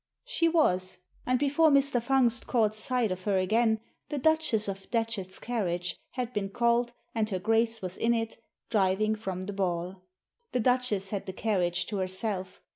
She was. And before Mr. Fungst caught sight of her again the Duchess of Datchet's carriage had been called, and her Grace was in it, driving from the ball. The Duchess had the carriage to herself.